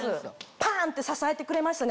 パン！って支えてくれましたね